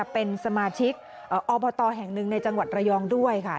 เป็นสมาชิกอบตแห่งหนึ่งในจังหวัดระยองด้วยค่ะ